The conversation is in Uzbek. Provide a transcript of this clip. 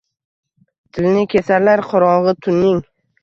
Tilini kesarlar… qorong’i tunning